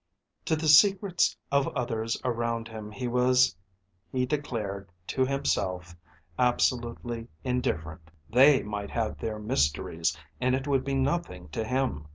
To the secrets of others around him he was he declared to himself absolutely indifferent. They might have their mysteries and it would be nothing to him.